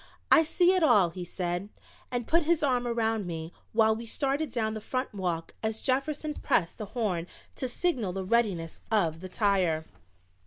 "I see it all," he said, and put his arm around me while we started down the front walk as Jefferson pressed the horn to signal the readiness of the tire.